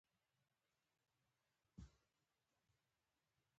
په تدریج سره د خپلوۍ ګروپونه جوړ شول.